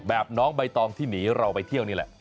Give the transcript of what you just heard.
น้องใบตองที่หนีเราไปเที่ยวนี่แหละ